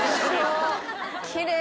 きれい。